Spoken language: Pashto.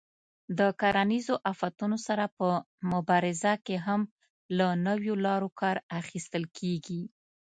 د کرنیزو آفتونو سره په مبارزه کې هم له نویو لارو کار اخیستل کېږي.